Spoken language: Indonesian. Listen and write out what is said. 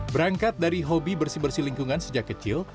berangkat dari hobi bersih bersih lingkungan sejak kecil